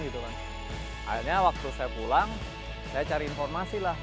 akhirnya waktu saya pulang saya cari informasi lah